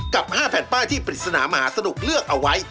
กับ๕แผ่นป้ายที่ปริศนามหาสนุกเลือกเอาไว้